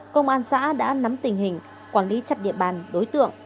công an xã đã nắm tình hình quản lý chặt địa bàn đối tượng